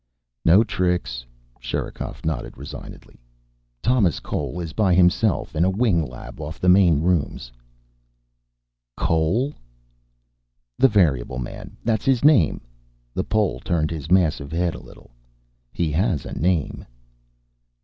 "No tricks." Sherikov nodded resignedly. "Thomas Cole is by himself. In a wing lab off the main rooms." "Cole?" "The variable man. That's his name." The Pole turned his massive head a little. "He has a name."